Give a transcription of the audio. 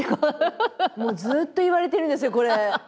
もうずっと言われてるんですよこれ。